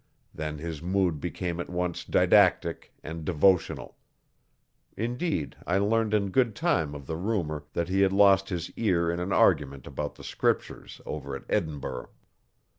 Then his mood became at once didactic and devotional. Indeed, I learned in good time of the rumour that he had lost his ear in an argument about the Scriptures over at Edinburgh.